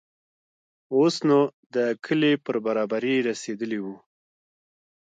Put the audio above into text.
اوس نو د کلي پر برابري رسېدلي وو.